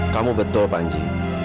kamu betul panji